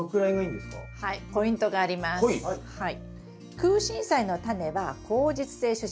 クウシンサイのタネは硬実性種子。